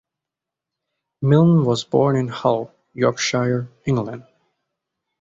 Milne was born in Hull, Yorkshire, England.